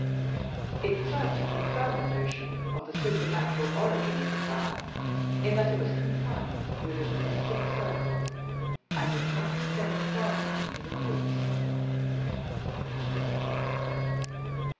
It served to confirm the notion of the supernatural origin of the fire, in that it was confined within the mystic circle, and did not extend farther into the woods.